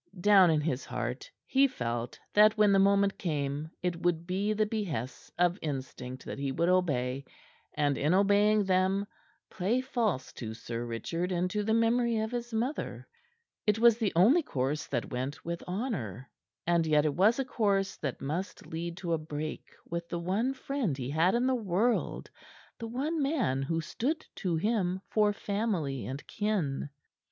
Down in his heart he felt that when the moment came it would be the behests of instinct that he would obey, and, in obeying them, play false to Sir Richard and to the memory of his mother. It was the only course that went with honor; and yet it was a course that must lead to a break with the one friend he had in the world the one man who stood to him for family and kin.